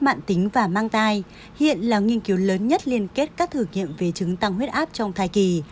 tăng huyết áp mạng tính và mang thai hiện là nghiên cứu lớn nhất liên kết các thử nghiệm về chứng tăng huyết áp trong thai kỳ